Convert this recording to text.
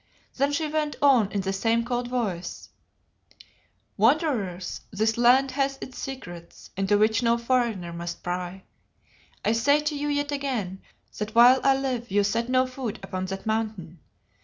Then she went on in the same cold voice "Wanderers, this land has its secrets, into which no foreigner must pry. I say to you yet again that while I live you set no foot upon that Mountain.